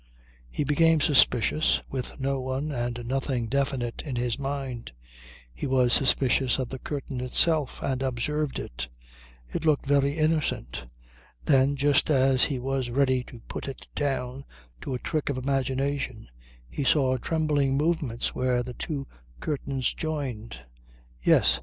He became suspicious, with no one and nothing definite in his mind. He was suspicious of the curtain itself and observed it. It looked very innocent. Then just as he was ready to put it down to a trick of imagination he saw trembling movements where the two curtains joined. Yes!